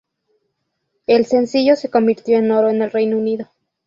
El sencillo se convirtió en Oro en el Reino Unido.